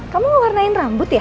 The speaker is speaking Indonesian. kamu mau karnain rambut ya